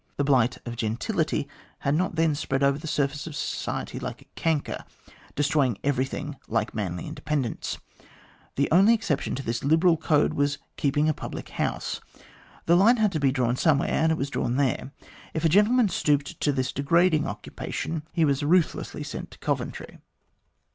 The blight of gentility had not then spread over the surface of society like a canker, destroying everything like manly independence. The only exception to this liberal code was keeping a public house. The line had to be drawn some where, and it was drawn there. If a gentleman stooped to this degrading occupation, he was ruthlessly sent to oventry.